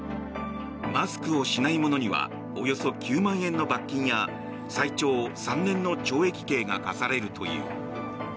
マスクをしない者にはおよそ９万円の罰金や最長３年の懲役刑が科されるという。